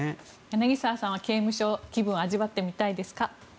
柳澤さんは刑務所気分味わってみたいですか？